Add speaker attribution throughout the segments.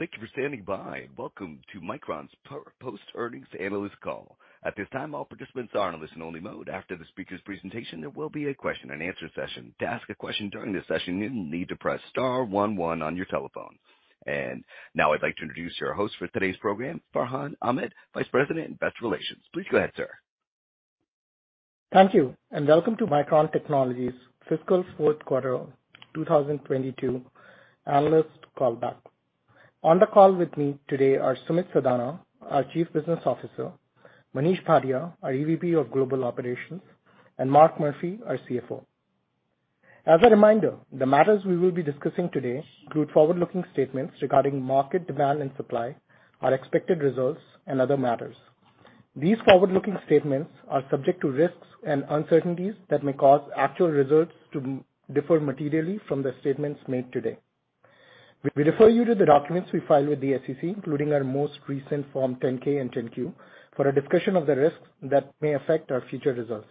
Speaker 1: Thank you for standing by. Welcome to Micron's post-earnings analyst call. At this time, all participants are in a listen-only mode. After the speakers' presentation, there will be a question and answer session. To ask a question during this session, you need to press star one one on your telephone. Now I'd like to introduce our host for today's program, Farhan Ahmad, Vice President, Investor Relations. Please go ahead, sir.
Speaker 2: Thank you, and welcome to Micron Technology's fiscal fourth quarter 2022 analyst call back. On the call with me today are Sumit Sadana, our Chief Business Officer, Manish Bhatia, our EVP of Global Operations, and Mark Murphy, our CFO. As a reminder, the matters we will be discussing today include forward-looking statements regarding market demand and supply, our expected results and other matters. These forward-looking statements are subject to risks and uncertainties that may cause actual results to differ materially from the statements made today. We refer you to the documents we file with the SEC, including our most recent Form 10-K and 10-Q, for a discussion of the risks that may affect our future results.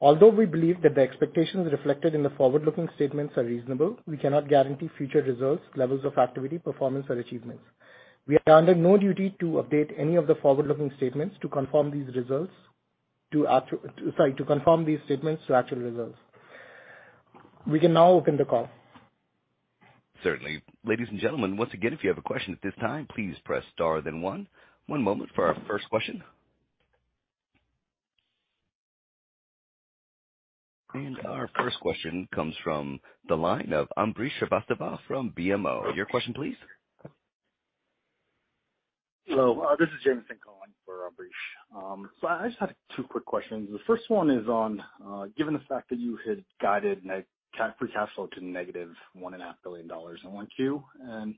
Speaker 2: Although we believe that the expectations reflected in the forward-looking statements are reasonable, we cannot guarantee future results, levels of activity, performance or achievements. We are under no duty to update any of the forward-looking statements to confirm these statements to actual results. We can now open the call.
Speaker 1: Certainly. Ladies and gentlemen, once again, if you have a question at this time, please press star then one. One moment for our first question. Our first question comes from the line of Ambrish Srivastava from BMO. Your question please.
Speaker 3: Hello, this is Jamison calling for Ambrish. I just had two quick questions. The first one is on, given the fact that you had guided free cash flow to negative $1.5 billion in 1Q, and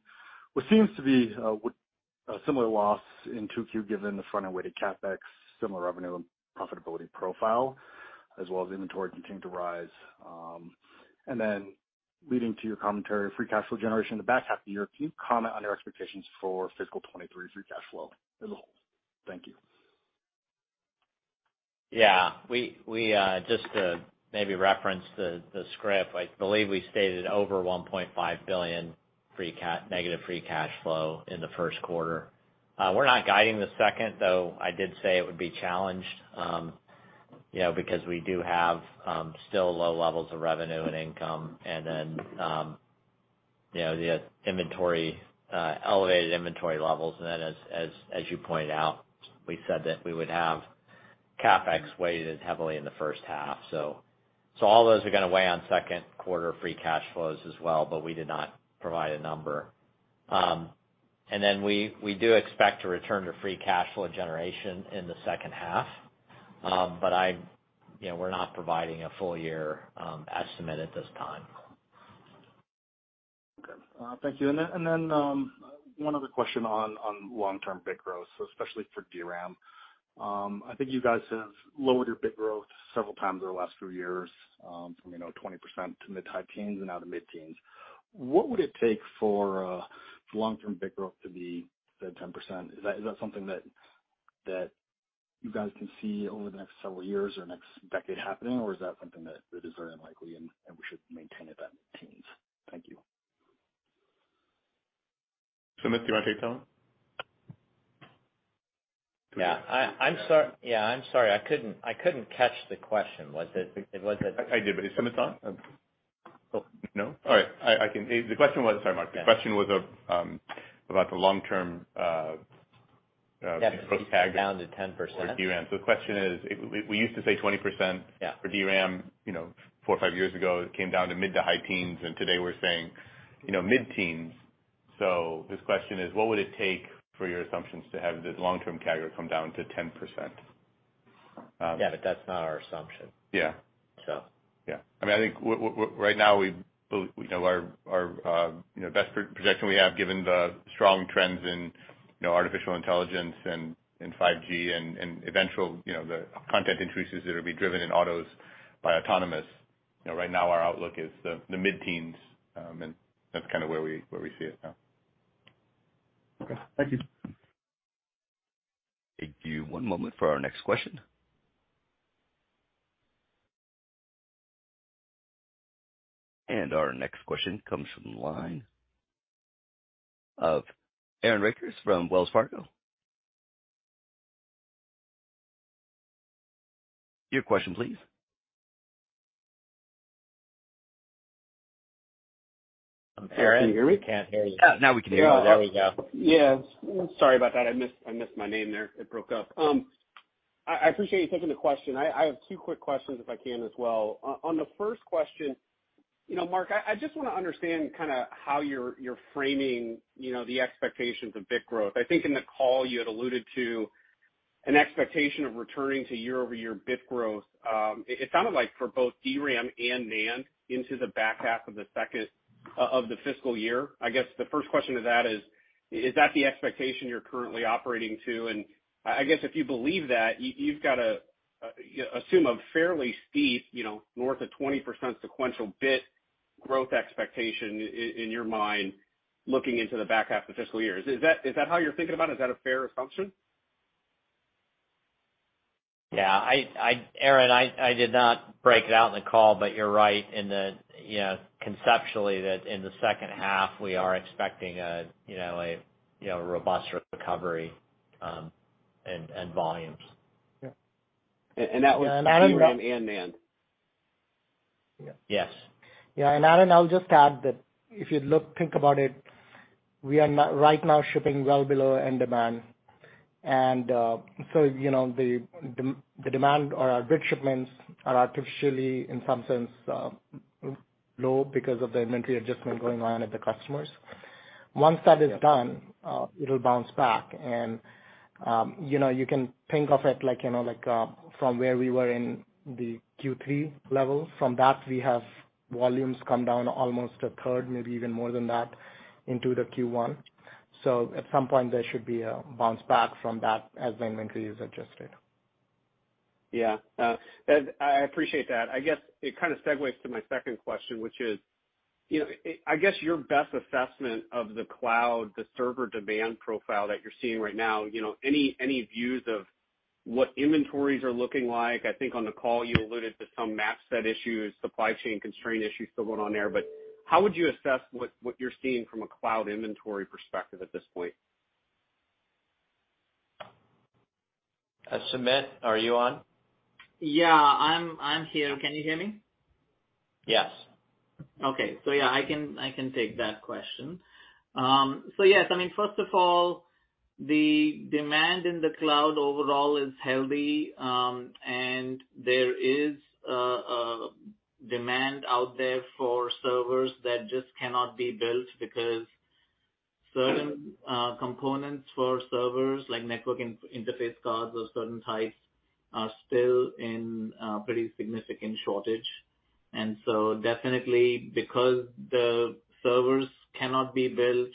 Speaker 3: what seems to be a similar loss in 2Q given the front and weighted CapEx, similar revenue and profitability profile, as well as inventory continue to rise, and then leading to your commentary of free cash flow generation in the back half of the year, can you comment on your expectations for fiscal 2023 free cash flow as a whole? Thank you.
Speaker 4: Yeah, we just to maybe reference the script, I believe we stated over $1.5 billion negative free cash flow in the first quarter. We're not guiding the second, though I did say it would be challenged, you know, because we do have still low levels of revenue and income. You know, the inventory, elevated inventory levels. As you pointed out, we said that we would have CapEx weighted heavily in the first half. All those are gonna weigh on second quarter free cash flows as well, but we did not provide a number. We do expect to return to free cash flow generation in the second half. I'm, you know, we're not providing a full year estimate at this time.
Speaker 3: Okay. Thank you. One other question on long-term bit growth, so especially for DRAM. I think you guys have lowered your bit growth several times over the last few years, from, you know, 20% to mid-high teens and now to mid-teens. What would it take for long-term bit growth to be said 10%? Is that something that you guys can see over the next several years or next decade happening, or is that something that is very unlikely and we should maintain it at mid-teens? Thank you.
Speaker 4: Sumit, do you want to take that one?
Speaker 5: I'm sorry. I couldn't catch the question. Was it?
Speaker 4: I did. Is Sumit on? Oh, no. All right. I can. The question was. Sorry, Mark. The question was about the long-term bit growth tag.
Speaker 2: Down to 10%.
Speaker 4: For DRAM. The question is, we used to say 20%.
Speaker 2: Yeah.
Speaker 4: For DRAM, you know, four or five years ago. It came down to mid- to high teens, and today we're saying, you know, mid-teens. His question is, what would it take for your assumptions to have this long-term category come down to 10%?
Speaker 2: Yeah, that's not our assumption.
Speaker 4: Yeah.
Speaker 2: So.
Speaker 4: Yeah. I mean, I think right now we, you know, our best projection we have, given the strong trends in, you know, artificial intelligence and 5G and eventual, you know, the content increases that'll be driven in autos by autonomous. You know, right now our outlook is the mid-teens%, and that's kinda where we see it now.
Speaker 3: Okay. Thank you.
Speaker 1: Thank you. One moment for our next question. Our next question comes from the line of Aaron Rakers from Wells Fargo. Your question please.
Speaker 2: Aaron, can you hear me?
Speaker 4: I can't hear you.
Speaker 1: Now we can hear you.
Speaker 2: There we go.
Speaker 6: Yeah. Sorry about that. I missed my name there. It broke up. I appreciate you taking the question. I have two quick questions if I can as well. On the first question, you know, Mark, I just wanna understand kinda how you're framing, you know, the expectations of bit growth. I think in the call you had alluded to an expectation of returning to year-over-year bit growth. It sounded like for both DRAM and NAND into the back half of the fiscal year. I guess the first question to that is that the expectation you're currently operating to? I guess if you believe that, you've got to assume a fairly steep, you know, north of 20% sequential bit growth expectation in your mind looking into the back half of the fiscal year. Is that how you're thinking about it? Is that a fair assumption?
Speaker 4: Aaron, I did not break it out in the call, but you're right in that, you know, conceptually that in the second half, we are expecting a, you know, robust recovery in volumes.
Speaker 2: Yeah.
Speaker 6: that was.
Speaker 4: Aaron.
Speaker 6: DRAM and NAND.
Speaker 4: Yes.
Speaker 2: Yeah, Aaron, I'll just add that if you think about it, we are not right now shipping well below end demand. You know, the demand or our bit shipments are artificially in some sense low because of the inventory adjustment going on at the customers. Once that is done, it'll bounce back and, you know, you can think of it like, you know, like, from where we were in the Q3 levels. From that, we have volumes come down almost a third, maybe even more than that into the Q1. At some point there should be a bounce back from that as the inventory is adjusted.
Speaker 6: Yeah. No, I appreciate that. I guess it kind of segues to my second question, which is, you know, I guess your best assessment of the cloud, the server demand profile that you're seeing right now. You know, any views of what inventories are looking like? I think on the call you alluded to some match set issues, supply chain constraint issues still going on there. But how would you assess what you're seeing from a cloud inventory perspective at this point?
Speaker 4: Sumit, are you on?
Speaker 5: Yeah, I'm here. Can you hear me?
Speaker 4: Yes.
Speaker 5: Okay. Yeah, I can take that question. Yes, I mean, first of all, the demand in the cloud overall is healthy, and there is demand out there for servers that just cannot be built because certain components for servers like network interface cards of certain types are still in pretty significant shortage. Definitely because the servers cannot be built,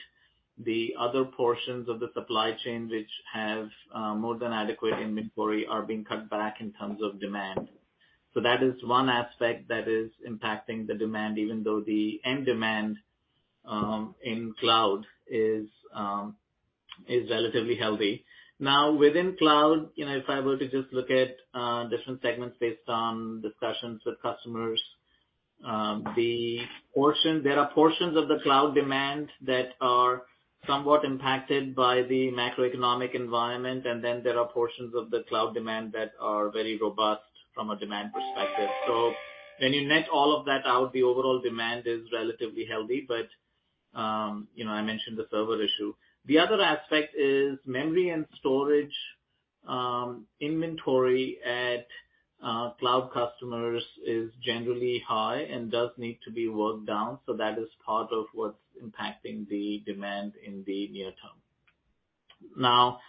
Speaker 5: the other portions of the supply chain which have more than adequate inventory are being cut back in terms of demand. That is one aspect that is impacting the demand even though the end demand in cloud is relatively healthy. Within cloud, you know, if I were to just look at different segments based on discussions with customers, there are portions of the cloud demand that are somewhat impacted by the macroeconomic environment, and then there are portions of the cloud demand that are very robust from a demand perspective. When you net all of that out, the overall demand is relatively healthy. You know, I mentioned the server issue. The other aspect is memory and storage inventory at cloud customers is generally high and does need to be worked down, so that is part of what's impacting the demand in the near term. Now,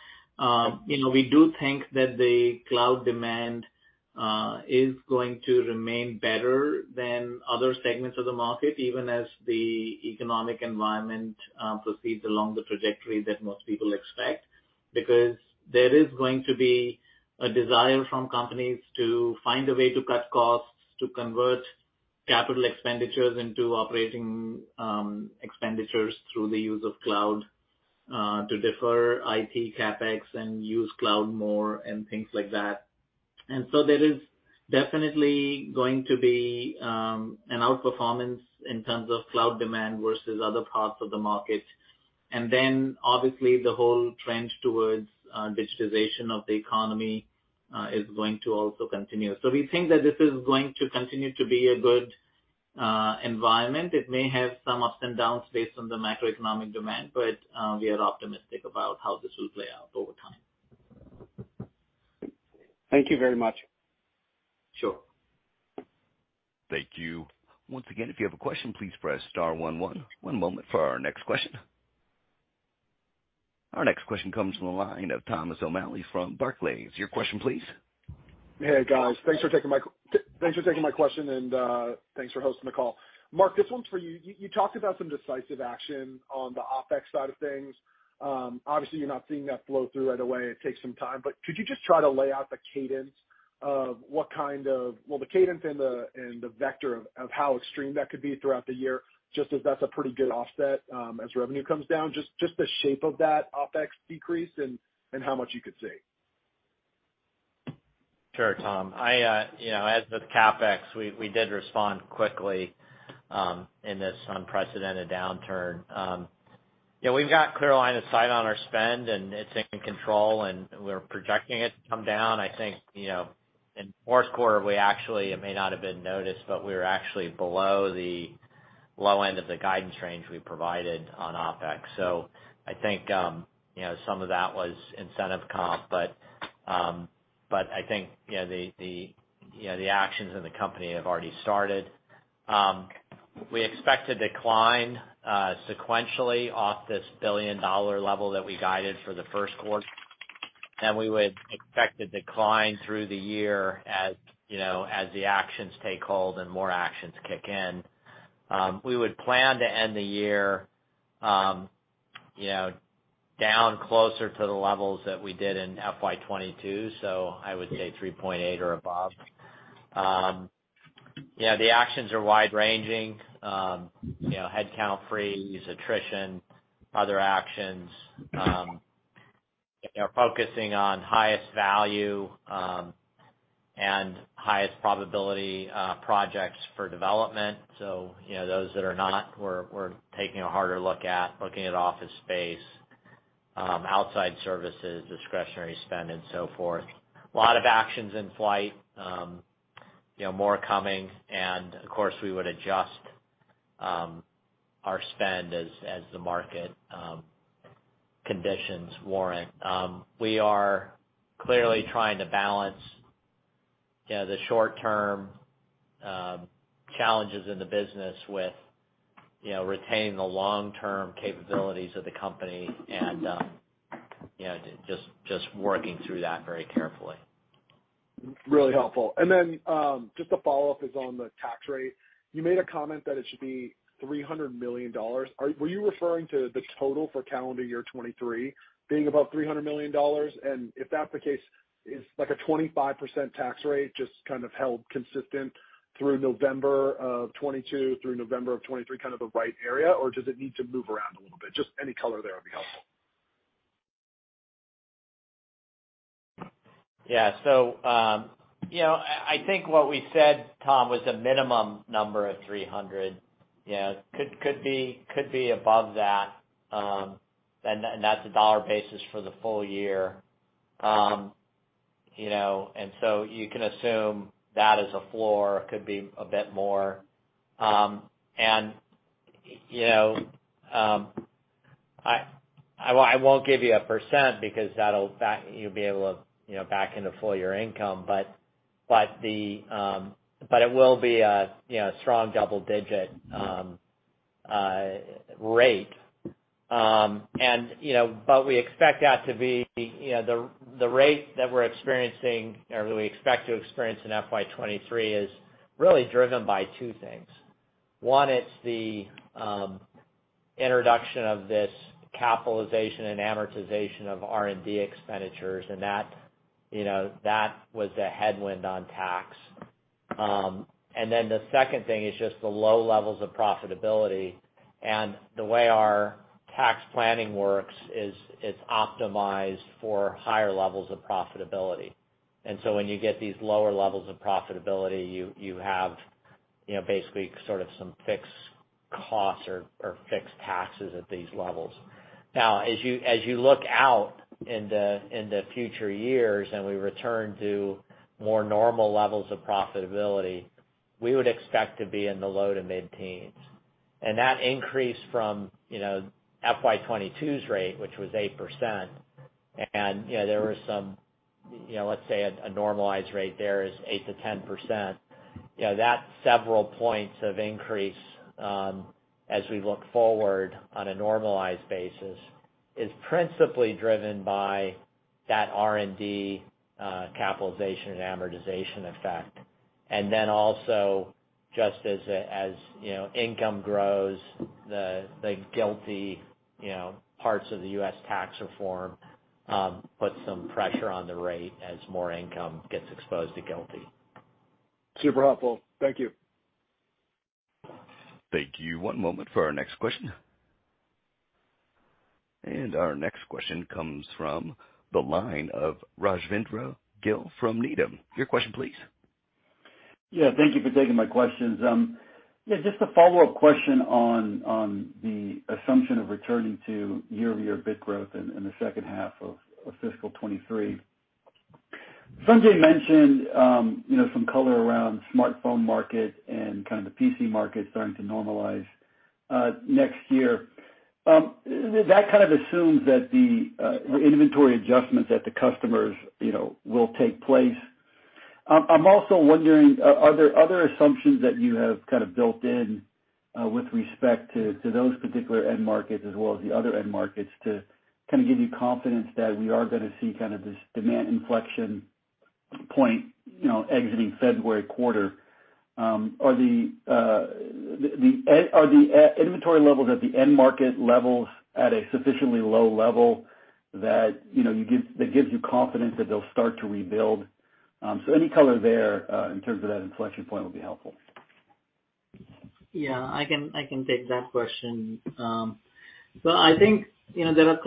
Speaker 5: you know, we do think that the cloud demand is going to remain better than other segments of the market, even as the economic environment proceeds along the trajectory that most people expect, because there is going to be a desire from companies to find a way to cut costs, to convert capital expenditures into operating expenditures through the use of cloud, to defer IT CapEx and use cloud more and things like that. There is definitely going to be an outperformance in terms of cloud demand versus other parts of the market. Obviously the whole trend towards digitization of the economy is going to also continue. We think that this is going to continue to be a good environment. It may have some ups and downs based on the macroeconomic demand, but we are optimistic about how this will play out over time.
Speaker 6: Thank you very much.
Speaker 5: Sure.
Speaker 1: Thank you. Once again, if you have a question, please press star one one. One moment for our next question. Our next question comes from the line of Thomas O'Malley from Barclays. Your question, please.
Speaker 7: Hey, guys. Thanks for taking my question and, thanks for hosting the call. Mark, this one's for you. You talked about some decisive action on the OpEx side of things. Obviously, you're not seeing that flow through right away. It takes some time, but could you just try to lay out the cadence and the vector of how extreme that could be throughout the year, just as that's a pretty good offset, as revenue comes down, just the shape of that OpEx decrease and how much you could save.
Speaker 4: Sure, Tom. I you know, as with CapEx, we did respond quickly in this unprecedented downturn. Yeah, we've got clear line of sight on our spend, and it's in control, and we're projecting it to come down. I think, you know, in fourth quarter, we actually, it may not have been noticed, but we're actually below the low end of the guidance range we provided on OpEx. I think, you know, some of that was incentive comp. But I think, you know, the actions in the company have already started. We expect a decline sequentially off this billion-dollar level that we guided for the first quarter, and we would expect a decline through the year as, you know, as the actions take hold and more actions kick in. We would plan to end the year, you know, down closer to the levels that we did in FY 2022, so I would say 3.8 or above. Yeah, the actions are wide-ranging. You know, headcount freeze, attrition, other actions. You know, focusing on highest value and highest probability projects for development. You know, those that are not, we're taking a harder look at, looking at office space, outside services, discretionary spend and so forth. A lot of actions in flight, you know, more coming and of course, we would adjust our spend as the market conditions warrant. We are clearly trying to balance, you know, the short term challenges in the business with, you know, retaining the long term capabilities of the company and, you know, just working through that very carefully.
Speaker 7: Really helpful. Then just a follow-up is on the tax rate. You made a comment that it should be $300 million. Were you referring to the total for calendar year 2023 being about $300 million? If that's the case, is like a 25% tax rate just kind of held consistent through November of 2022 through November of 2023, kind of the right area? Or does it need to move around a little bit? Just any color there would be helpful.
Speaker 4: You know, I think what we said, Thom, was a minimum number of 300. You know, could be above that, and that's a dollar basis for the full year. You know, you can assume that as a floor, could be a bit more. I won't give you a percent because you'll be able to, you know, back into full year income. It will be a, you know, strong double digit rate. You know, we expect that to be the rate that we're experiencing or we expect to experience in FY 2023 is really driven by two things. One is the introduction of this capitalization and amortization of R&D expenditures, and that, you know, that was a headwind on tax. The second thing is just the low levels of profitability. The way our tax planning works is it's optimized for higher levels of profitability. When you get these lower levels of profitability, you have, you know, basically sort of some fixed costs or fixed taxes at these levels. Now as you look out in the future years and we return to more normal levels of profitability, we would expect to be in the low- to mid-teens %. That increase from, you know, FY 2022's rate, which was 8%, and, you know, there were some, you know, let's say a normalized rate there is 8%-10%. You know, that's several points of increase, as we look forward on a normalized basis, is principally driven by that R&D, capitalization and amortization effect. Then also just as, you know, income grows, the GILTI, you know, parts of the U.S. tax reform, put some pressure on the rate as more income gets exposed to GILTI.
Speaker 7: Super helpful. Thank you.
Speaker 1: Thank you. One moment for our next question. Our next question comes from the line of Rajvindra Gill from Needham. Your question please.
Speaker 8: Yeah. Thank you for taking my questions. Yeah, just a follow-up question on the assumption of returning to year-over-year bit growth in the second half of fiscal 2023. Sanjay mentioned, you know, some color around smartphone market and kind of the PC market starting to normalize next year. That kind of assumes that the inventory adjustments at the customers, you know, will take place. I'm also wondering, are there other assumptions that you have kind of built in with respect to those particular end markets as well as the other end markets to kind of give you confidence that we are gonna see kind of this demand inflection point, you know, exiting February quarter? Are the inventory levels at the end market levels at a sufficiently low level that, you know, that gives you confidence that they'll start to rebuild? Any color there, in terms of that inflection point would be helpful.
Speaker 5: Yeah. I can take that question. So I think, you know, there are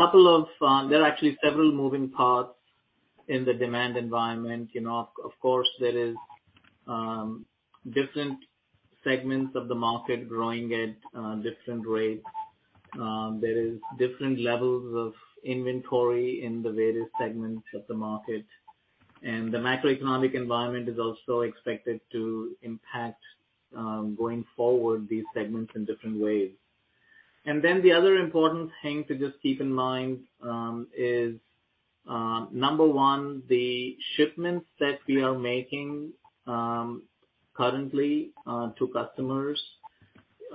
Speaker 5: actually several moving parts in the demand environment. You know, of course there is different segments of the market growing at different rates. There is different levels of inventory in the various segments of the market, and the macroeconomic environment is also expected to impact going forward these segments in different ways. The other important thing to just keep in mind is number one, the shipments that we are making currently to customers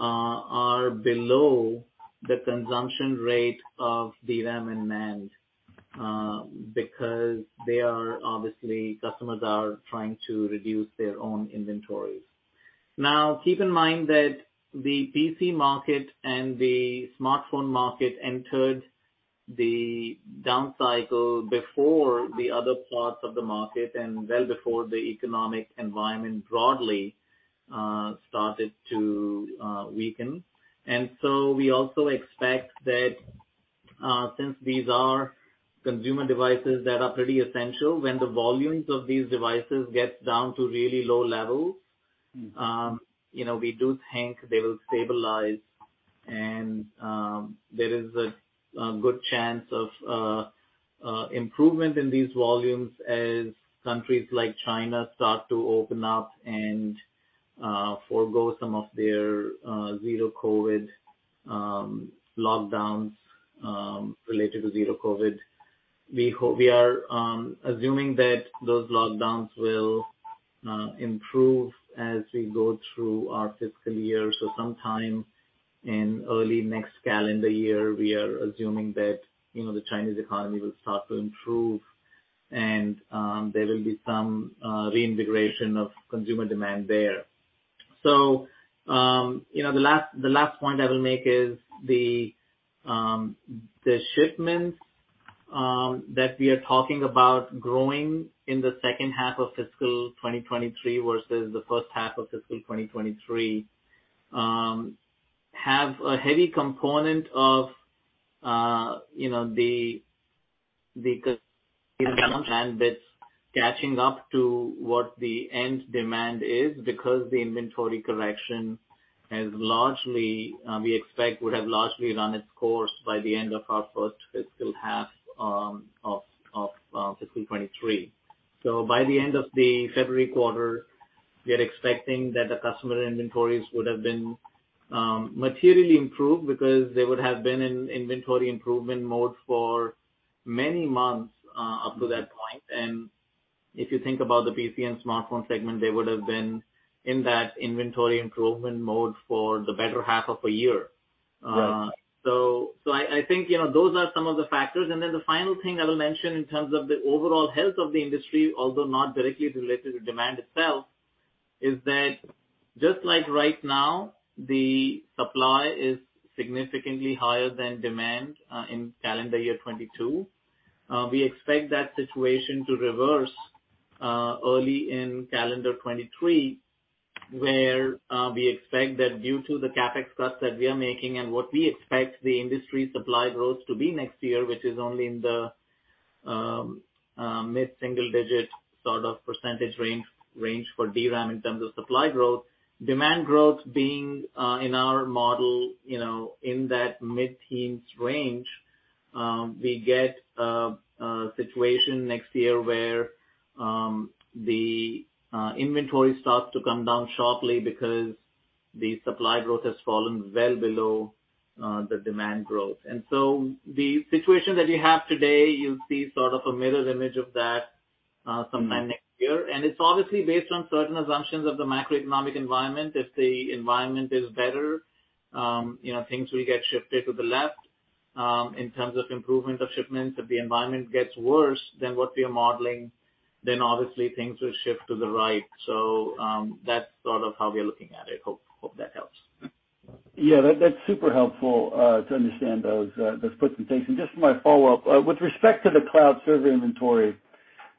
Speaker 5: are below the consumption rate of DRAM and NAND because obviously customers are trying to reduce their own inventories. Now, keep in mind that the PC market and the smartphone market entered the down cycle before the other parts of the market and well before the economic environment broadly started to weaken. We also expect that since these are consumer devices that are pretty essential, when the volumes of these devices get down to really low levels, you know, we do think they will stabilize and there is a good chance of improvement in these volumes as countries like China start to open up and forego some of their zero COVID lockdowns related to zero COVID. We are assuming that those lockdowns will improve as we go through our fiscal year. Sometime in early next calendar year, we are assuming that, you know, the Chinese economy will start to improve and, there will be some reintegration of consumer demand there. You know, the last point I will make is the shipments that we are talking about growing in the second half of fiscal 2023 versus the first half of fiscal 2023 have a heavy component of, you know, the demand that's catching up to what the end demand is because the inventory correction has largely, we expect would have largely run its course by the end of our first fiscal half of fiscal 2023. By the end of the February quarter, we are expecting that the customer inventories would have been materially improved because they would have been in inventory improvement mode for many months up to that point. If you think about the PC and smartphone segment, they would have been in that inventory improvement mode for the better half of a year.
Speaker 8: Right.
Speaker 5: I think, you know, those are some of the factors. The final thing I will mention in terms of the overall health of the industry, although not directly related to demand itself, is that just like right now, the supply is significantly higher than demand in calendar year 2022. We expect that situation to reverse early in calendar 2023, where we expect that due to the CapEx cuts that we are making and what we expect the industry supply growth to be next year, which is only in the mid-single digit sort of percentage range for DRAM in terms of supply growth. Demand growth being in our model, you know, in that mid-teens range, we get a situation next year where the inventory starts to come down sharply because the supply growth has fallen well below the demand growth. The situation that you have today, you'll see sort of a mirror image of that sometime next year. It's obviously based on certain assumptions of the macroeconomic environment. If the environment is better, you know, things will get shifted to the left in terms of improvement of shipments. If the environment gets worse than what we are modeling, then obviously things will shift to the right. That's sort of how we are looking at it. Hope that helps.
Speaker 8: Yeah, that's super helpful to understand those splits and takes. Just my follow-up with respect to the cloud server inventory,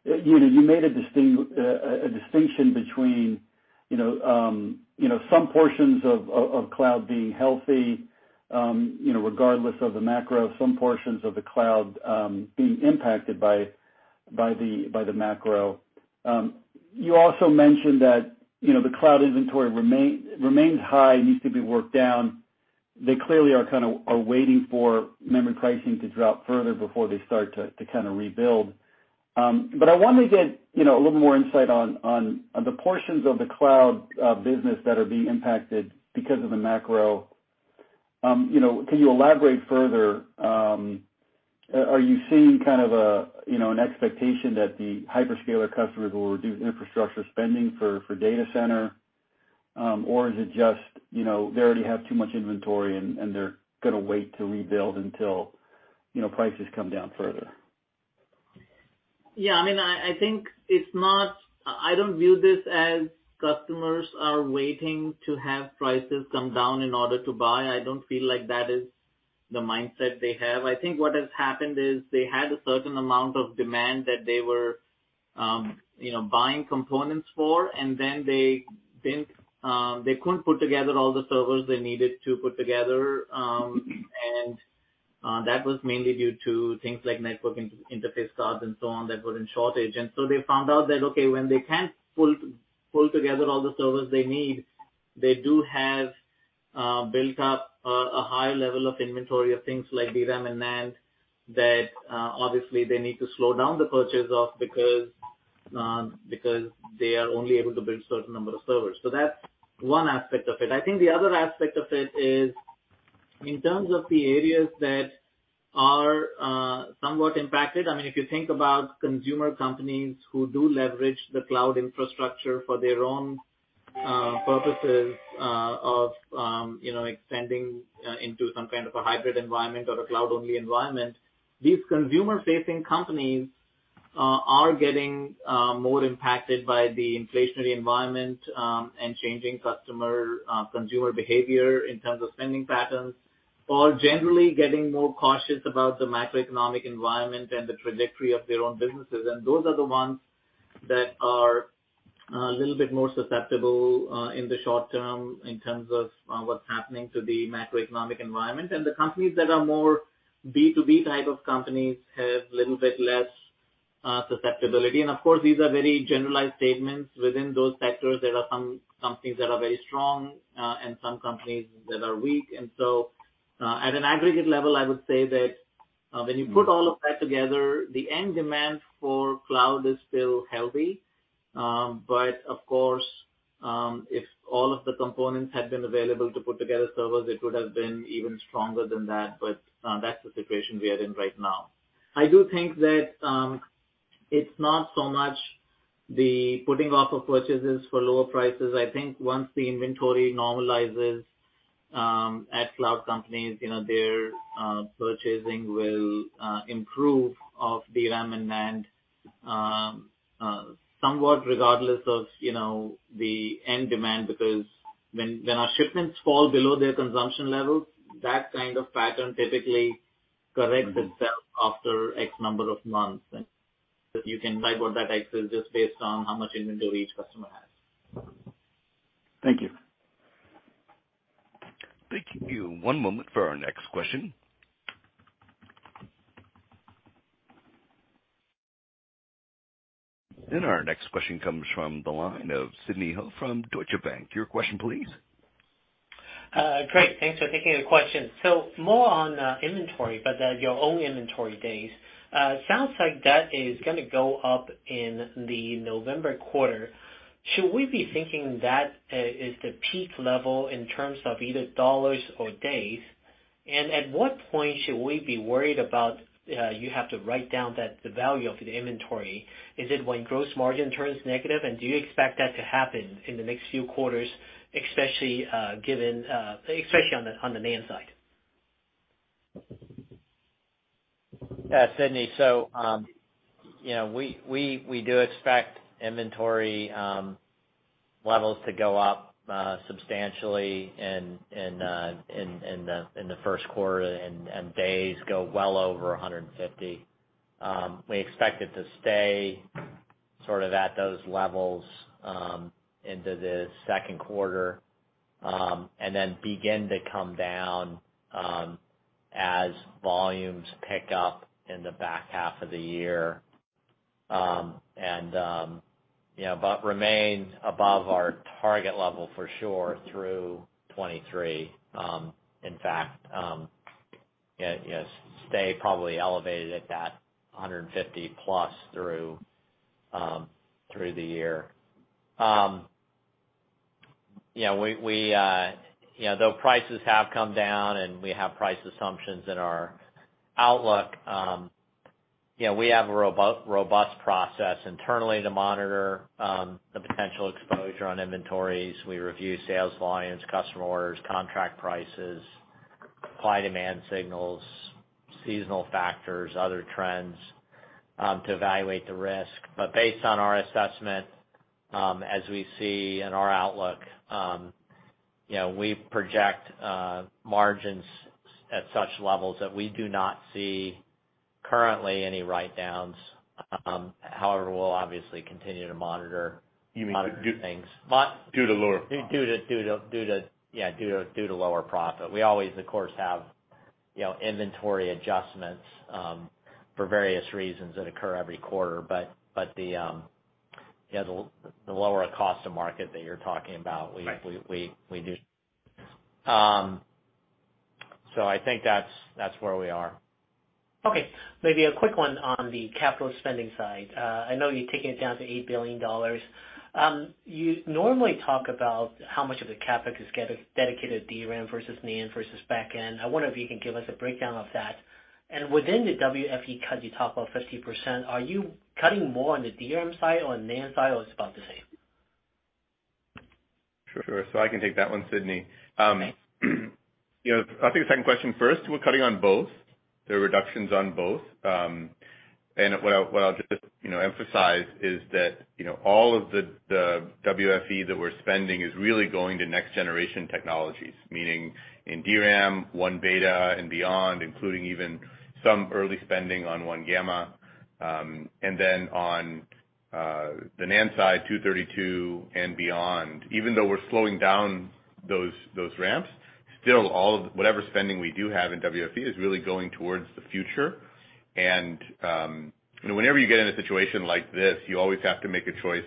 Speaker 8: you know, you made a distinction between, you know, you know, some portions of cloud being healthy, you know, regardless of the macro, some portions of the cloud being impacted by the macro. You also mentioned that, you know, the cloud inventory remains high, needs to be worked down. They clearly are kind of waiting for memory pricing to drop further before they start to kind of rebuild. I want to get, you know, a little more insight on the portions of the cloud business that are being impacted because of the macro. You know, can you elaborate further, are you seeing kind of a, you know, an expectation that the hyperscaler customers will reduce infrastructure spending for data center? Or is it just, you know, they already have too much inventory and they're gonna wait to rebuild until, you know, prices come down further?
Speaker 5: Yeah, I mean, I think I don't view this as customers are waiting to have prices come down in order to buy. I don't feel like that is the mindset they have. I think what has happened is they had a certain amount of demand that they were, you know, buying components for, and then they couldn't put together all the servers they needed to put together. That was mainly due to things like network interface cards and so on that were in shortage. They found out that, okay, when they can't pull together all the servers they need, they do have built up a high level of inventory of things like DRAM and NAND that obviously they need to slow down the purchase of because they are only able to build certain number of servers. That's one aspect of it. I think the other aspect of it is in terms of the areas that are somewhat impacted. I mean, if you think about consumer companies who do leverage the cloud infrastructure for their own purposes of you know, extending into some kind of a hybrid environment or a cloud-only environment, these consumer-facing companies. They are getting more impacted by the inflationary environment and changing customer consumer behavior in terms of spending patterns, or generally getting more cautious about the macroeconomic environment and the trajectory of their own businesses. Those are the ones that are a little bit more susceptible in the short term in terms of what's happening to the macroeconomic environment. The companies that are more B2B type of companies have little bit less susceptibility. Of course, these are very generalized statements. Within those sectors, there are some companies that are very strong and some companies that are weak. At an aggregate level, I would say that when you put all of that together, the end demand for cloud is still healthy. Of course, if all of the components had been available to put together servers, it would have been even stronger than that. That's the situation we are in right now. I do think that it's not so much the putting off of purchases for lower prices. I think once the inventory normalizes at cloud companies, you know, their purchasing will improve of DRAM and NAND, somewhat regardless of, you know, the end demand. Because when our shipments fall below their consumption level, that kind of pattern typically corrects itself after X number of months. You can decide what that X is just based on how much inventory each customer has.
Speaker 8: Thank you.
Speaker 1: Thank you. One moment for our next question. Our next question comes from the line of Sidney Ho from Deutsche Bank. Your question, please.
Speaker 9: Great. Thanks for taking the question. More on inventory, but your own inventory days. Sounds like that is gonna go up in the November quarter. Should we be thinking that is the peak level in terms of either dollars or days? And at what point should we be worried about you have to write down that the value of the inventory? Is it when gross margin turns negative? And do you expect that to happen in the next few quarters, especially given, especially on the NAND side?
Speaker 4: Yeah, Sidney, you know, we do expect inventory levels to go up substantially in the first quarter and days go well over 150. We expect it to stay sort of at those levels into the second quarter and then begin to come down as volumes pick up in the back half of the year, but remain above our target level for sure through 2023. In fact, stay probably elevated at that 150 plus through the year. You know, though prices have come down and we have price assumptions in our outlook, you know, we have a robust process internally to monitor the potential exposure on inventories. We review sales volumes, customer orders, contract prices, apply demand signals, seasonal factors, other trends, to evaluate the risk. Based on our assessment, as we see in our outlook, you know, we project margins at such levels that we do not see currently any write-downs. However, we'll obviously continue to monitor.
Speaker 9: You mean due-
Speaker 4: Monitor things.
Speaker 9: Due to lower profit.
Speaker 4: Due to lower profit. We always, of course, have, you know, inventory adjustments for various reasons that occur every quarter. The lower of cost or market that you're talking about, we-
Speaker 9: Right.
Speaker 4: We do. I think that's where we are.
Speaker 9: Okay. Maybe a quick one on the capital spending side. I know you're taking it down to $8 billion. You normally talk about how much of the CapEx is dedicated DRAM versus NAND versus backend. I wonder if you can give us a breakdown of that. Within the WFE cut, you talk about 50%. Are you cutting more on the DRAM side or NAND side, or it's about the same?
Speaker 5: I can take that one, Sidney. I'll take the second question first. We're cutting on both. There are reductions on both. What I'll just, you know, emphasize is that, you know, all of the WFE that we're spending is really going to next generation technologies. Meaning in DRAM, 1-beta and beyond, including even some early spending on 1-gamma. On the NAND side, 2022 and beyond. Even though we're slowing down those ramps, still all of whatever spending we do have in WFE is really going towards the future. You know, whenever you get in a situation like this, you always have to make a choice.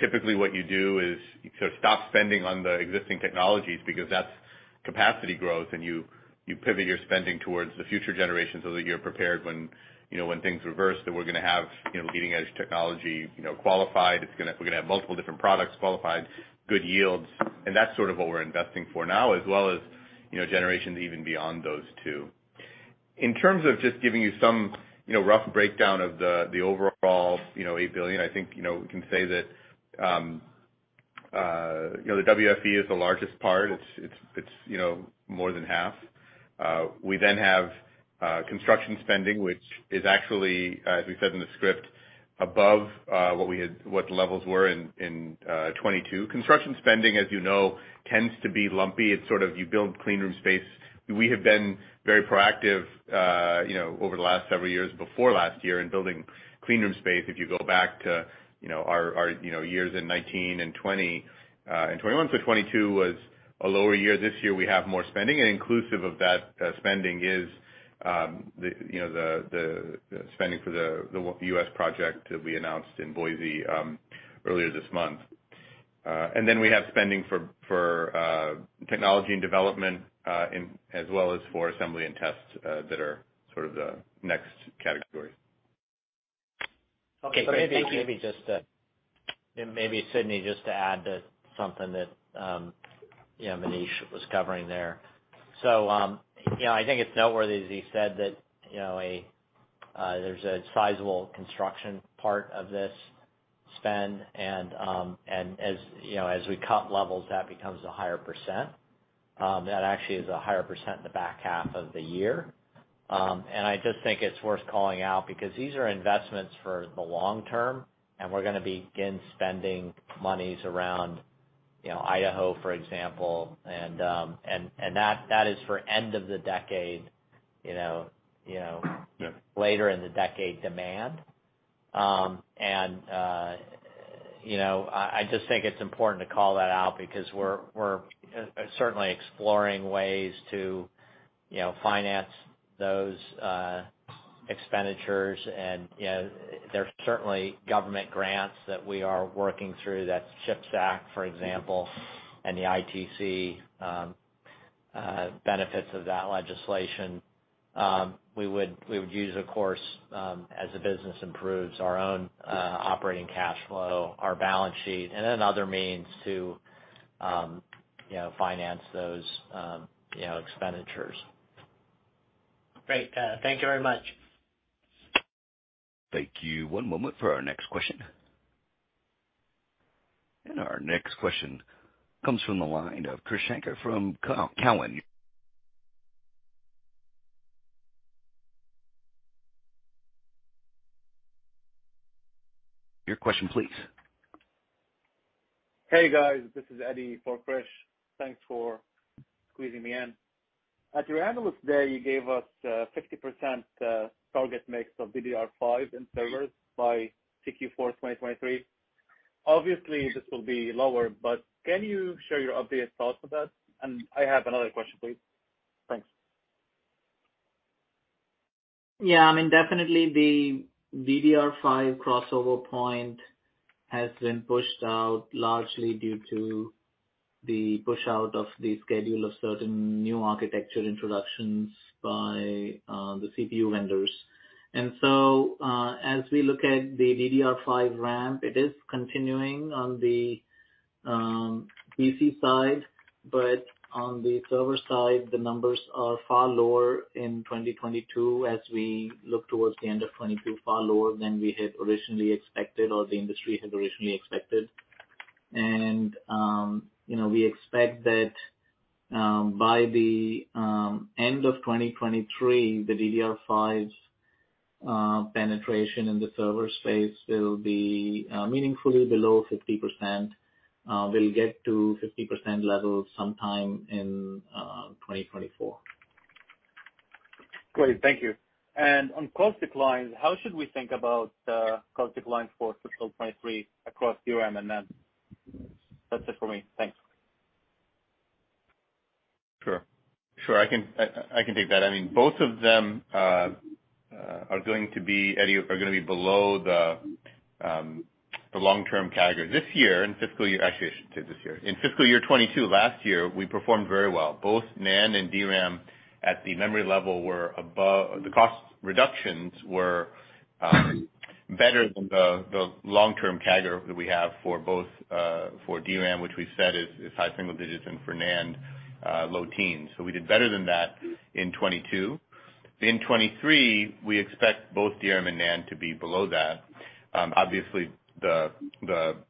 Speaker 5: Typically, what you do is you sort of stop spending on the existing technologies because that's capacity growth, and you pivot your spending towards the future generation so that you're prepared when, you know, when things reverse, that we're gonna have, you know, leading-edge technology, you know, qualified. We're gonna have multiple different products qualified, good yields, and that's sort of what we're investing for now, as well as, you know, generations even beyond those two. In terms of just giving you some, you know, rough breakdown of the overall $8 billion, I think, you know, we can say that.
Speaker 10: You know, the WFE is the largest part. It's you know, more than half. We then have construction spending, which is actually, as we said in the script, above what the levels were in 2022. Construction spending, as you know, tends to be lumpy. It's sort of you build clean room space. We have been very proactive, you know, over the last several years before last year in building clean room space. If you go back to you know, our years in 2019 and 2020 and 2021. So 2022 was a lower year. This year we have more spending, and inclusive of that spending is the spending for the US project that we announced in Boise earlier this month. We have spending for technology and development, as well as for assembly and tests, that are sort of the next category.
Speaker 9: Okay. Great. Thank you.
Speaker 4: Maybe Sidney, just to add to something that you know, Manish was covering there. I think it's noteworthy, as he said that you know, there's a sizable construction part of this spend and as you know, as we cut levels, that becomes a higher percent. That actually is a higher percent in the back half of the year. I just think it's worth calling out because these are investments for the long term, and we're gonna begin spending monies around you know, Idaho, for example. That is for end of the decade you know.
Speaker 10: Yeah.
Speaker 4: later in the decade demand. You know, I just think it's important to call that out because we're certainly exploring ways to, you know, finance those expenditures. You know, there's certainly government grants that we are working through, that CHIPS Act, for example, and the ITC benefits of that legislation. We would use of course, as the business improves our own operating cash flow, our balance sheet, and then other means to, you know, finance those expenditures.
Speaker 9: Great. Thank you very much.
Speaker 1: Thank you. One moment for our next question. Our next question comes from the line of Krish Sankar from Cowen. Your question please.
Speaker 11: Hey, guys. This is Eddy for Krish. Thanks for squeezing me in. At your Analyst Day, you gave us 50% target mix of DDR5 in servers by CQ4 2023. Obviously, this will be lower, but can you share your updated thoughts with us? I have another question, please. Thanks.
Speaker 5: Yeah. I mean, definitely the DDR5 crossover point has been pushed out largely due to the push out of the schedule of certain new architecture introductions by the CPU vendors. As we look at the DDR5 ramp, it is continuing on the PC side, but on the server side, the numbers are far lower in 2022 as we look towards the end of 2022, far lower than we had originally expected or the industry had originally expected. We expect that by the end of 2023, the DDR5's penetration in the server space will be meaningfully below 50%. We'll get to 50% level sometime in 2024.
Speaker 11: Great. Thank you. On cost declines, how should we think about cost declines for fiscal 2023 across DRAM and NAND? That's it for me. Thanks.
Speaker 10: Sure. I can take that. I mean, both of them are going to be, Eddie, are gonna be below the long-term category this year in fiscal year. Actually, I shouldn't say this year. In fiscal year 2022, last year, we performed very well. Both NAND and DRAM at the memory level were above, the cost reductions were better than the long-term CAGR that we have for both, for DRAM, which we've said is high single digits and for NAND, low teens. So we did better than that in 2022. In 2023, we expect both DRAM and NAND to be below that. Obviously the,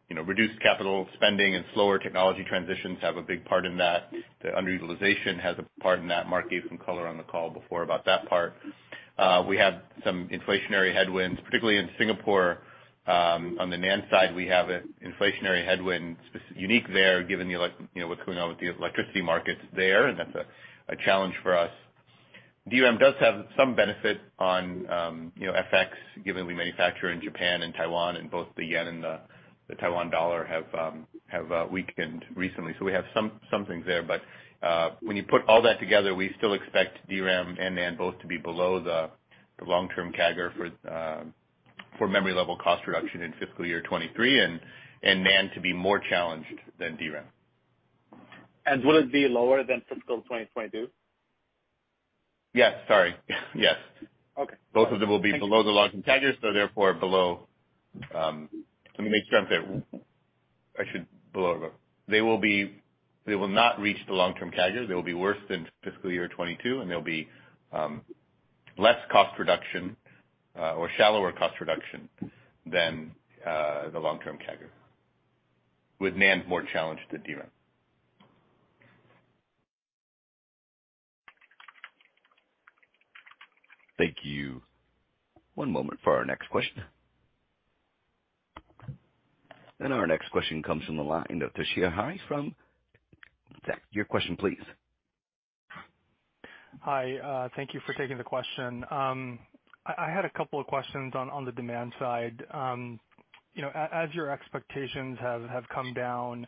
Speaker 10: you know, reduced capital spending and slower technology transitions have a big part in that. The underutilization has a part in that. Mark gave some color on the call before about that part. We have some inflationary headwinds, particularly in Singapore. On the NAND side, we have a inflationary headwind specifically unique there given the electricity you know, what's going on with the electricity markets there, and that's a challenge for us. DRAM does have some benefit on, you know, FX given we manufacture in Japan and Taiwan, and both the yen and the Taiwan dollar have weakened recently. We have some things there. When you put all that together, we still expect DRAM and NAND both to be below the long-term CAGR for memory level cost reduction in fiscal year 2023 and NAND to be more challenged than DRAM.
Speaker 11: Will it be lower than fiscal 2022?
Speaker 10: Yes. Sorry. Yes.
Speaker 11: Okay.
Speaker 10: Both of them will be below the long-term CAGR, so therefore below. Let me make sure I'm clear. I should. Below the. They will be. They will not reach the long-term CAGR. They will be worse than fiscal year 2022, and they'll be less cost reduction.
Speaker 5: Shallower cost reduction than the long-term CAGR, with NAND more challenged than DRAM.
Speaker 1: Thank you. One moment for our next question. Our next question comes from the line of Toshiya Hari from Goldman Sachs. Your question please.
Speaker 12: Hi, thank you for taking the question. I had a couple of questions on the demand side. You know, as your expectations have come down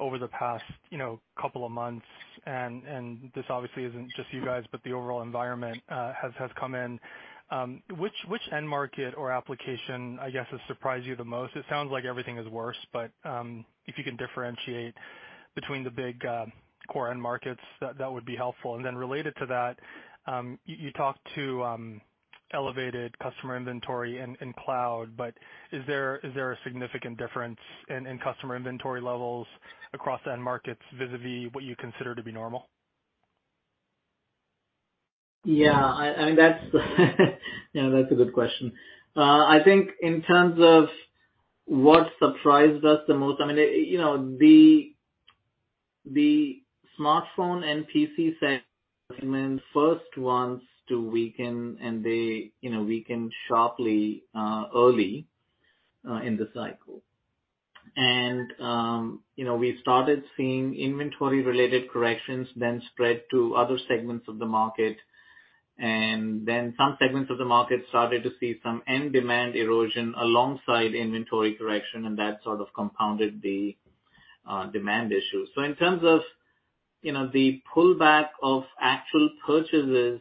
Speaker 12: over the past, you know, couple of months, and this obviously isn't just you guys, but the overall environment has come in, which end market or application, I guess, has surprised you the most? It sounds like everything is worse but if you can differentiate between the big core end markets, that would be helpful. Then related to that, you talked about elevated customer inventory and cloud, but is there a significant difference in customer inventory levels across the end markets vis-a-vis what you consider to be normal?
Speaker 5: Yeah. I mean that's a good question. I think in terms of what surprised us the most, I mean, you know, the smartphone and PC segments first ones to weaken and they, you know, weakened sharply early in the cycle. We started seeing inventory related corrections then spread to other segments of the market, and then some segments of the market started to see some end demand erosion alongside inventory correction, and that sort of compounded the demand issue. In terms of, you know, the pullback of actual purchases,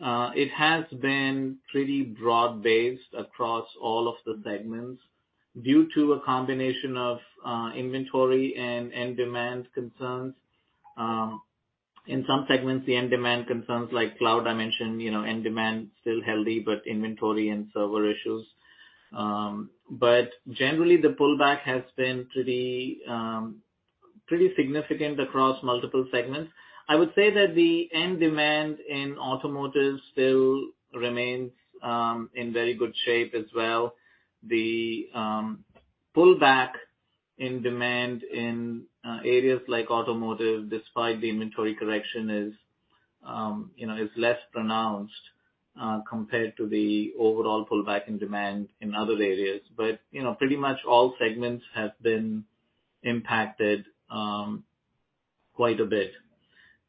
Speaker 5: it has been pretty broad-based across all of the segments due to a combination of inventory and end demand concerns. In some segments, the end demand concerns, like cloud, I mentioned, you know, end demand still healthy, but inventory and server issues. Generally, the pullback has been pretty significant across multiple segments. I would say that the end demand in automotive still remains in very good shape as well. The pullback in demand in areas like automotive, despite the inventory correction, is you know, less pronounced compared to the overall pullback in demand in other areas. You know, pretty much all segments have been impacted quite a bit.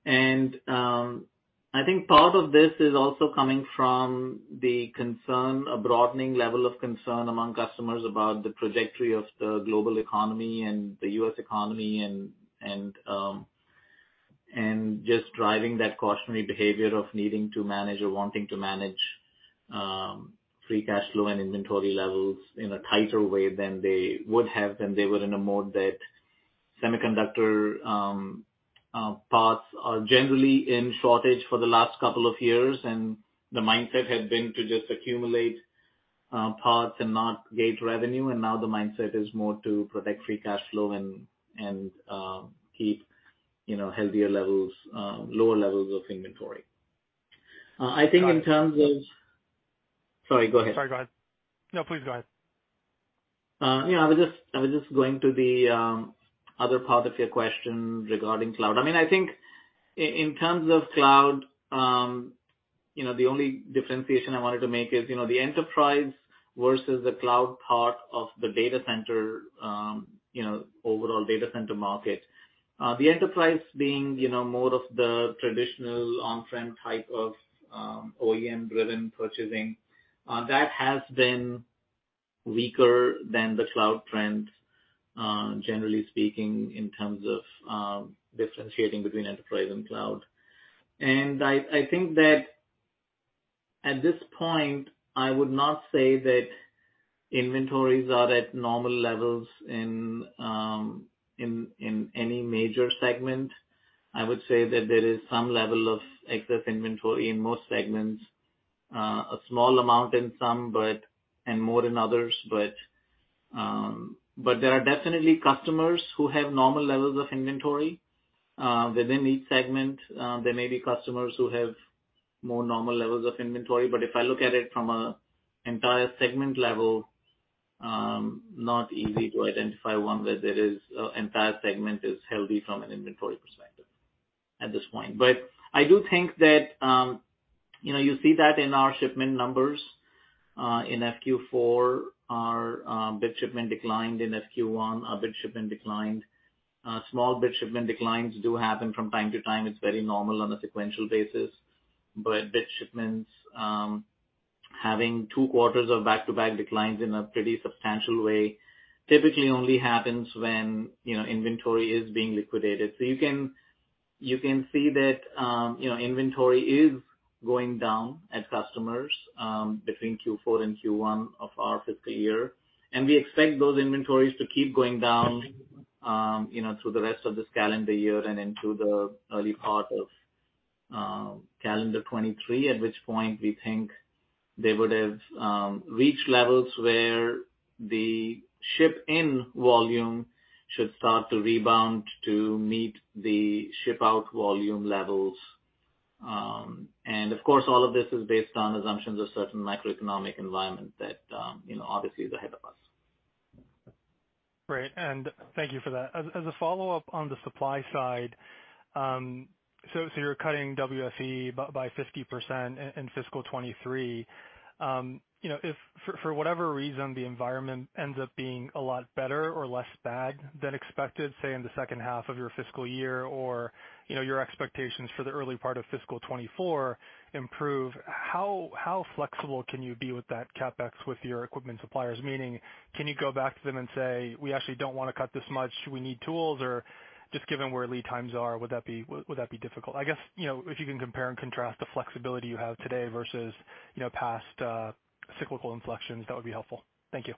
Speaker 5: I think part of this is also coming from the concern, a broadening level of concern among customers about the trajectory of the global economy and the U.S. economy, and just driving that cautionary behavior of needing to manage or wanting to manage free cash flow and inventory levels in a tighter way than they would in a mode that semiconductor parts are generally in shortage for the last couple of years, and the mindset had been to just accumulate parts and not gauge revenue. Now the mindset is more to protect free cash flow and keep, you know, healthier levels, lower levels of inventory. Sorry, go ahead.
Speaker 12: Sorry, go ahead. No, please go ahead.
Speaker 5: You know, I was just going to the other part of your question regarding cloud. I mean, I think in terms of cloud, you know, the only differentiation I wanted to make is, you know, the enterprise versus the cloud part of the data center, you know, overall data center market. The enterprise being, you know, more of the traditional on-prem type of OEM driven purchasing, that has been weaker than the cloud trends, generally speaking, in terms of differentiating between enterprise and cloud. I think that at this point, I would not say that inventories are at normal levels in any major segment. I would say that there is some level of excess inventory in most segments. A small amount in some, but more in others. There are definitely customers who have normal levels of inventory. Within each segment, there may be customers who have more normal levels of inventory. If I look at it from an entire segment level, not easy to identify one where there is, entire segment is healthy from an inventory perspective at this point. I do think that, you know, you see that in our shipment numbers, in FQ4, our bit shipment declined. In FQ1, our bit shipment declined. Small bit shipment declines do happen from time to time. It's very normal on a sequential basis. Bit shipments, having two quarters of back-to-back declines in a pretty substantial way, typically only happens when, you know, inventory is being liquidated. You can see that inventory is going down at customers between Q4 and Q1 of our fiscal year. We expect those inventories to keep going down through the rest of this calendar year and into the early part of calendar 2023, at which point we think they would have reached levels where the ship in volume should start to rebound to meet the ship out volume levels. Of course, all of this is based on assumptions of certain macroeconomic environment that obviously is ahead of us.
Speaker 12: Great, thank you for that. As a follow-up on the supply side, so you're cutting WFE by 50% in fiscal 2023. You know, if for whatever reason the environment ends up being a lot better or less bad than expected, say in the second half of your fiscal year or your expectations for the early part of fiscal 2024 improve, how flexible can you be with that CapEx with your equipment suppliers? Meaning can you go back to them and say, "We actually don't wanna cut this much. We need tools" or just given where lead times are, would that be difficult? I guess you know, if you can compare and contrast the flexibility you have today versus past cyclical inflections, that would be helpful. Thank you.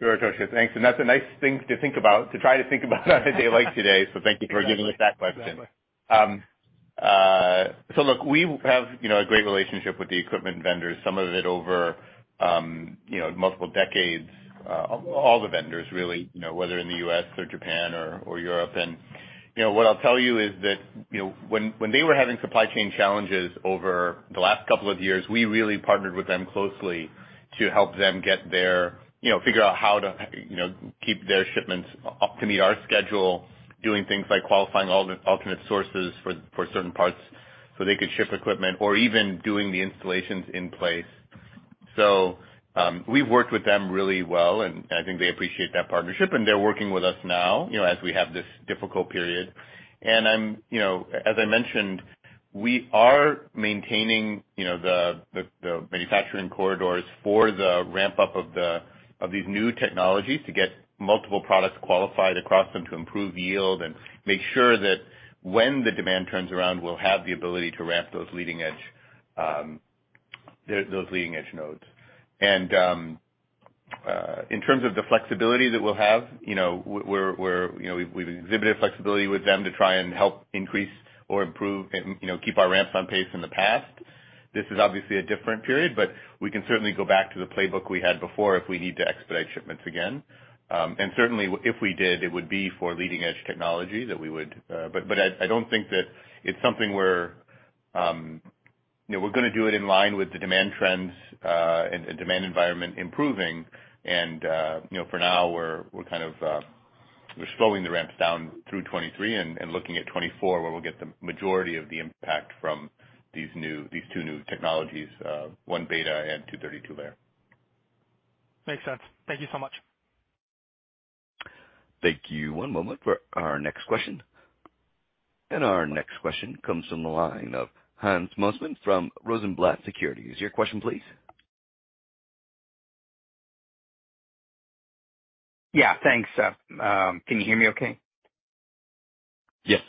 Speaker 10: Sure, Toshiya. Thanks, and that's a nice thing to think about, to try to think about on a day like today. Thank you for giving us that question.
Speaker 12: Exactly.
Speaker 10: Look, we have, you know, a great relationship with the equipment vendors, some of it over, you know, multiple decades, all the vendors really, you know, whether in the U.S. or Japan or Europe. What I'll tell you is that, you know, when they were having supply chain challenges over the last couple of years, we really partnered with them closely to help them get their, you know, figure out how to, you know, keep their shipments up to meet our schedule, doing things like qualifying alternate sources for certain parts so they could ship equipment or even doing the installations in place. We've worked with them really well, and I think they appreciate that partnership, and they're working with us now, you know, as we have this difficult period. I'm, you know, as I mentioned, we are maintaining, you know, the manufacturing corridors for the ramp-up of these new technologies to get multiple products qualified across them to improve yield and make sure that when the demand turns around, we'll have the ability to ramp those leading-edge nodes. In terms of the flexibility that we'll have, you know, we've exhibited flexibility with them to try and help increase or improve and, you know, keep our ramps on pace in the past. This is obviously a different period, but we can certainly go back to the playbook we had before if we need to expedite shipments again. If we did, it would be for leading-edge technology that we would. I don't think that it's something where, you know, we're gonna do it in line with the demand trends, and demand environment improving. You know, for now we're kind of slowing the ramps down through 2023 and looking at 2024 where we'll get the majority of the impact from these two new technologies, 1-beta and 232-layer.
Speaker 12: Makes sense. Thank you so much.
Speaker 1: Thank you. One moment for our next question. Our next question comes from the line of Hans Mosesmann from Rosenblatt Securities. Your question please.
Speaker 13: Yeah. Thanks. Can you hear me okay?
Speaker 1: Yes.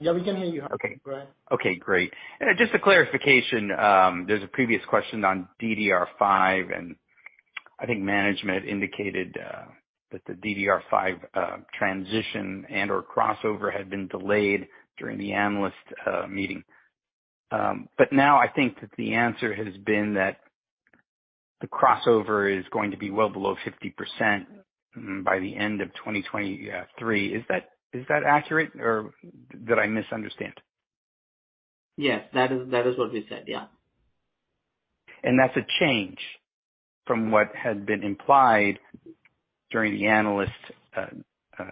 Speaker 5: Yeah, we can hear you, Hans.
Speaker 13: Okay.
Speaker 5: Great.
Speaker 13: Okay, great. Just a clarification. There's a previous question on DDR5, and I think management indicated that the DDR5 transition and/or crossover had been delayed during the analyst meeting. But now I think that the answer has been that the crossover is going to be well below 50% by the end of 2023. Is that accurate or did I misunderstand?
Speaker 5: Yes, that is what we said. Yeah.
Speaker 13: That's a change from what had been implied during the analyst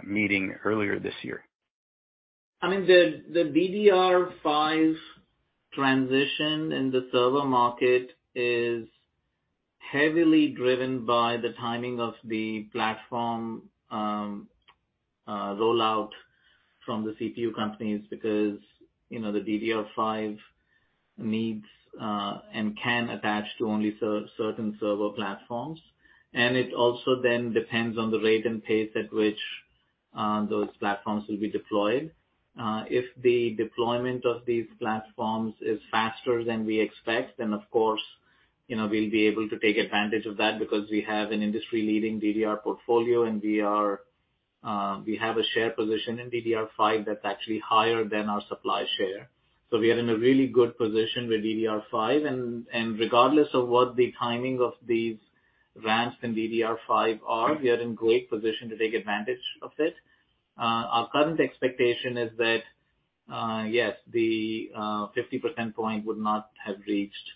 Speaker 13: meeting earlier this year.
Speaker 5: I mean, the DDR5 transition in the server market is heavily driven by the timing of the platform rollout from the CPU companies because, you know, the DDR5 needs and can attach to only certain server platforms. It also then depends on the rate and pace at which those platforms will be deployed. If the deployment of these platforms is faster than we expect, then of course, you know, we'll be able to take advantage of that because we have an industry-leading DDR portfolio, and we have a share position in DDR5 that's actually higher than our supply share. We are in a really good position with DDR5 and regardless of what the timing of these ramps in DDR5 are, we are in great position to take advantage of it. Our current expectation is that, yes, the 50% point would not have reached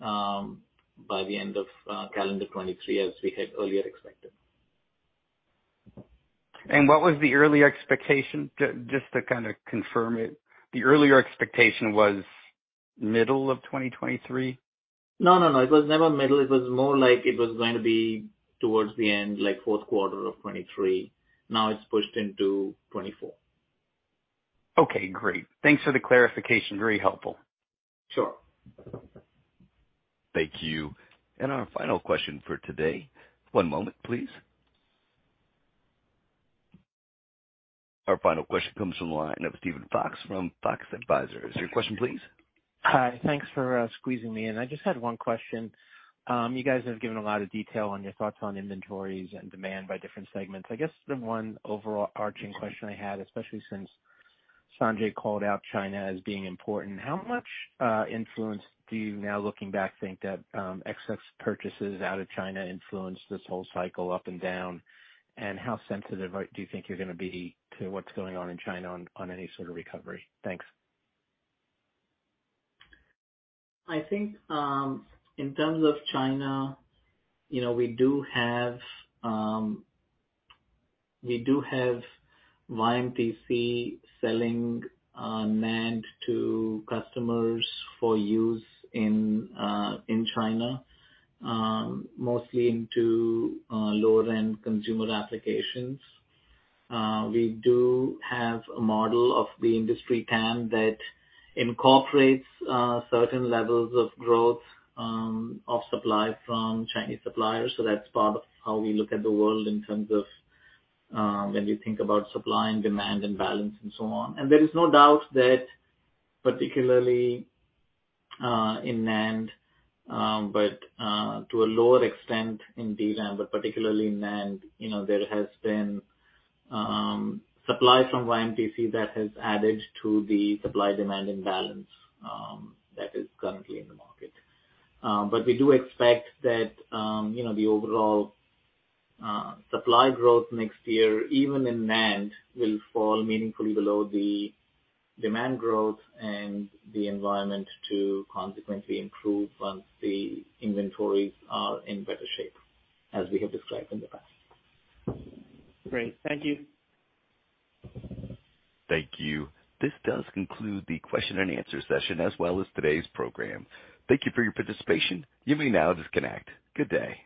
Speaker 5: by the end of calendar 2023 as we had earlier expected.
Speaker 13: What was the earlier expectation? Just to kind of confirm it. The earlier expectation was middle of 2023?
Speaker 5: No, no. It was never middle. It was more like it was going to be towards the end, like fourth quarter of 2023. Now it's pushed into 2024.
Speaker 13: Okay, great. Thanks for the clarification. Very helpful.
Speaker 5: Sure.
Speaker 1: Thank you. Our final question for today. One moment, please. Our final question comes from the line of Steven Fox from Fox Advisors. Your question please.
Speaker 14: Hi. Thanks for squeezing me in. I just had one question. You guys have given a lot of detail on your thoughts on inventories and demand by different segments. I guess the one overall overarching question I had, especially since Sanjay called out China as being important. How much influence do you now looking back think that excess purchases out of China influenced this whole cycle up and down? How sensitive do you think you're gonna be to what's going on in China on any sort of recovery? Thanks.
Speaker 5: I think in terms of China, you know, we do have YMTC selling NAND to customers for use in China, mostly into lower-end consumer applications. We do have a model of the industry capacity that incorporates certain levels of growth of supply from Chinese suppliers. That's part of how we look at the world in terms of when we think about supply and demand and balance and so on. There is no doubt that particularly in NAND, but to a lower extent in DRAM, but particularly in NAND, you know, there has been supply from YMTC that has added to the supply-demand imbalance that is currently in the market. We do expect that, you know, the overall supply growth next year, even in NAND, will fall meaningfully below the demand growth and the environment to consequently improve once the inventories are in better shape, as we have described in the past.
Speaker 14: Great. Thank you.
Speaker 1: Thank you. This does conclude the question and answer session as well as today's program. Thank you for your participation. You may now disconnect. Good day.